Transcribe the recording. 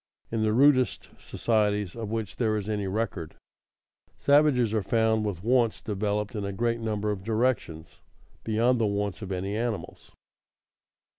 _ In the rudest societies of which there is any record, savages are found with wants developed in a great number of directions beyond the wants of any animals.